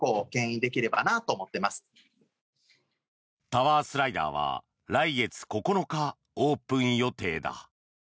タワースライダーは来月９日オープン予定だ。